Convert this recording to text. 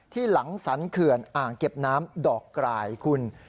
หลังสรรเขื่อนอ่างเก็บน้ำดอกกรายคุณ